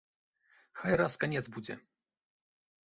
Хай раз канец будзе!